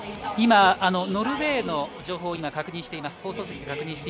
今、ノルウェーの情報を確認しています。